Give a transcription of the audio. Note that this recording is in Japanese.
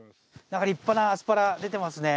立派なアスパラ出てますね。